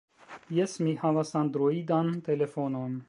Jes, mi havas Androidan telefonon.